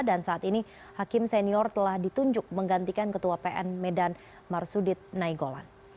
dan saat ini hakim senior telah ditunjuk menggantikan ketua pn medan marsudit naigolan